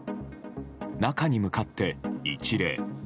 中に向かって一礼。